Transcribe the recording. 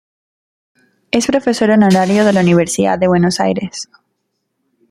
Es profesor honorario de la Universidad de Buenos Aires.